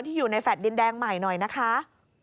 อยู่ในแฟลต์ดินแดงใหม่หน่อยนะคะ